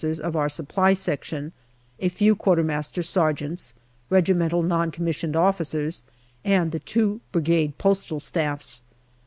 's of our Supply Section, a few quartermaster sergeants, regimental N.C.O.'s, and the two Brigade postal staffs.